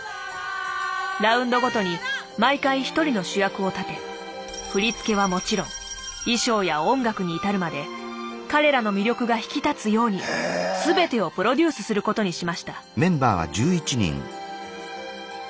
ラウンドごとに毎回一人の主役を立て振り付けはもちろん衣装や音楽にいたるまで彼らの魅力が引き立つように全てをプロデュースすることにしました。